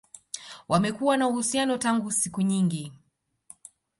Wamekuwa na uhusiano tangu siku nyingi